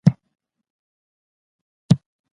زه به د کتابتون څېړنې ميتود وکاروم.